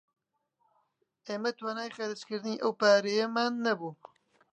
ئێمە توانای خەرچکردنی ئەو پارەیەمان نەبوو